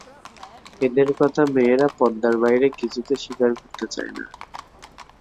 এদের কথা মেয়েরা পর্দার বাইরে কিছুতে স্বীকার করতে চায় না।